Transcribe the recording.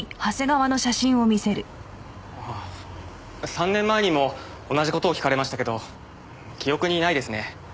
３年前にも同じ事を聞かれましたけど記憶にないですね。